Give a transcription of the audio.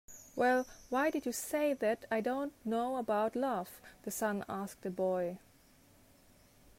"Well, why did you say that I don't know about love?" the sun asked the boy.